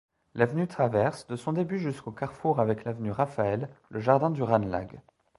L'avenue traverse, de son début jusqu'au carrefour avec l'avenue Raphaël, le jardin du Ranelagh.